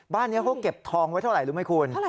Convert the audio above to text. บ้านนี้เขาเก็บทองไว้เท่าไหร่รู้ไหมคุณ